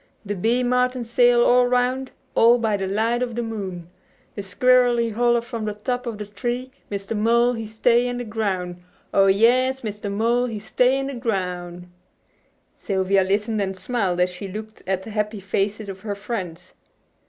De bee martin sail all 'roun', All by de light of de moon. De squirrel he holler from de top of de tree; Mr. Mole he stay in de groun', Oh, yes! Mr. Mole he stay in de groun' '" Sylvia listened and smiled as she looked at the happy faces of her friends.